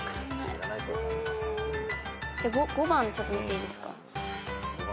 じゃあ５番ちょっと見ていいですか。